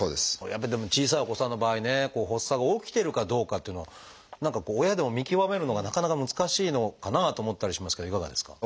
やっぱりでも小さいお子さんの場合ね発作が起きてるかどうかっていうのを何かこう親でも見極めるのがなかなか難しいのかなと思ったりしますけどいかがですか？